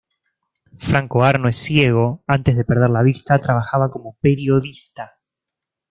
Franco Arno es ciego, antes de perder la vista trabajaba como periodista.